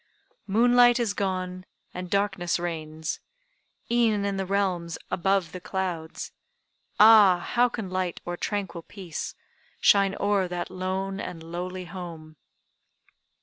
"Moonlight is gone, and darkness reigns E'en in the realms 'above the clouds,' Ah! how can light, or tranquil peace, Shine o'er that lone and lowly home!"